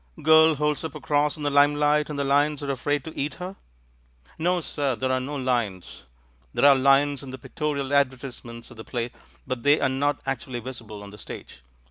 "Girl holds up a cross in the limelight and the lions are afraid to eat her?" "No, sir, there are no lions. There are lions in the pictorial advertisements of the play, but they are not actually visible on the stage.